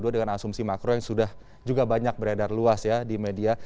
dengan asumsi makro yang sudah juga banyak beredar luas ya di media